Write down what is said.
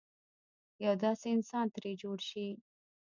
یو داسې انسان ترې جوړ شي.